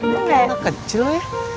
kayaknya kecil ya